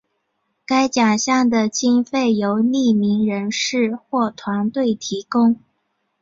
该奖项的经费由匿名人士或团体提供。